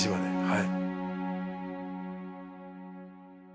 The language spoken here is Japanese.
はい。